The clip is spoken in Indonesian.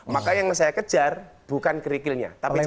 maka yang saya kejar bukan kerikilnya tapi ceweknya